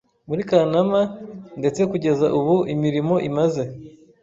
muri Kanama ndetse kugeza ubu imirimo imaze